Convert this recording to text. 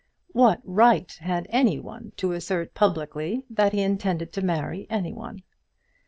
What right had any one to assert publicly that he intended to marry any one?